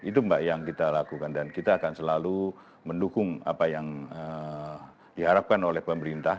itu mbak yang kita lakukan dan kita akan selalu mendukung apa yang diharapkan oleh pemerintah